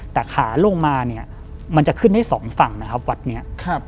แต่ขาลงมามันจะขึ้นให้๒ฝั่งนะครับวัดนี้